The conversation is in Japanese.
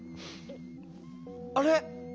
あれ？